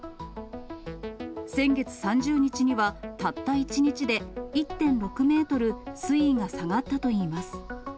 先月３０日には、たった１日で１．６メートル水位が下がったといいます。